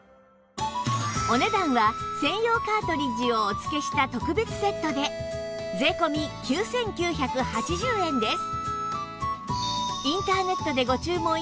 お値段は専用カートリッジをお付けした特別セットで税込９９８０円です